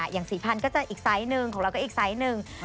อย่างสีพันธุ์ก็จะอีกไซส์หนึ่งของเราก็อีกไซส์หนึ่ง